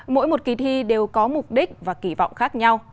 mỗi một kỳ thi đều có mục đích và kỳ vọng khác nhau